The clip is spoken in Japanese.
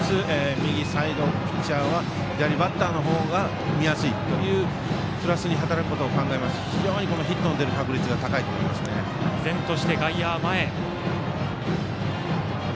右サイドピッチャーは左バッターの方が見やすいというプラスに働くことを考えますと非常にヒットの出る確率が依然として外野は前。